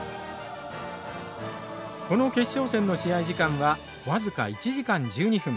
この決勝戦の試合時間は僅か１時間１２分。